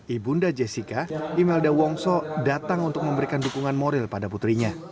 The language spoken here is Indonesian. ibunda jessica imelda wongso datang untuk memberikan dukungan moral pada putrinya